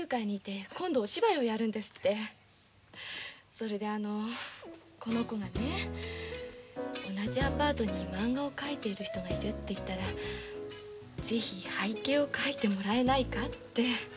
それであのこの子がね同じアパートにまんがを描いている人がいるって言ったらぜひ背景を描いてもらえないかって。